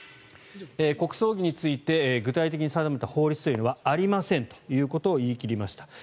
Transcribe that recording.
国葬儀について具体的に定めた法律というのはありませんと言い切りました。